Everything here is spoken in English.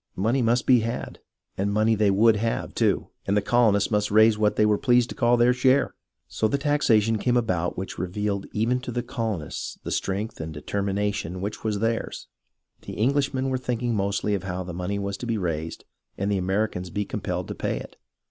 Money must be had, and money they would have, too, and the colonies must raise what they were pleased to call their share. So the taxation came about which revealed even to the colonists the strength and determination which were theirs. The Englishmen were thinking mostly of how the money was to be raised and the Americans be compelled to pay it.